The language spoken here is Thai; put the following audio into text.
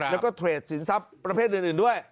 แล้วก็เทรดสินทรัพย์ประเภทอื่นด้วย